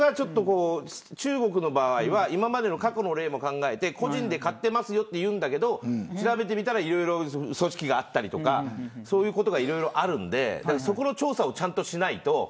中国は過去の例も考えて個人で買ってますよと言うんですけど調べたらいろいろ組織があったりとかいろいろあるのでその調査をちゃんとしないと。